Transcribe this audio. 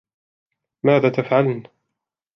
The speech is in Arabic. ماذا تفعلن؟